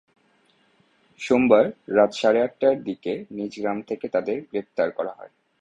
সোমবার রাত সাড়ে আটটার দিকে নিজ গ্রাম থেকে তাঁদের গ্রেপ্তার করা হয়।